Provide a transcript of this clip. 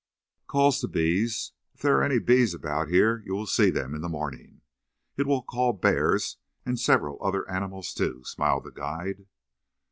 "Calls the bees. If there are any about here you will see them in the morning. It will call bears and several other animals, too," smiled the guide.